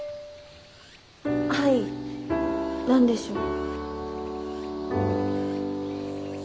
はい何でしょう？